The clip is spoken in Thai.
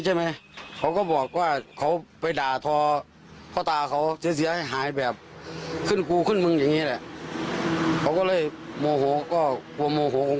เขาก็เลยโมโหก็กลัวโมโหของคน